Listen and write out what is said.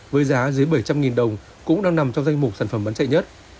với giá dưới bảy trăm linh đồng cũng đang nằm trong danh mục sản phẩm bán chạy nhất